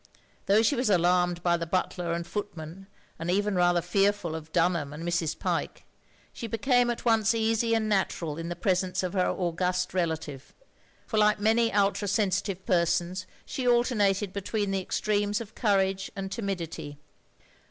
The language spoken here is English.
Though she was alarmed by the butler and footman, and even rather fearful of Dunham and Mrs. Pyke, she became at once easy and natural in the presence of her august relative; for like many ultra sensitive persons, she alternated between the extremes of courage and timidity.